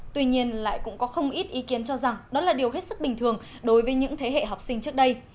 tuy nhiên lại cũng có không ít ý kiến cho rằng đó là điều hết sức bình thường đối với những thế hệ học sinh trước đây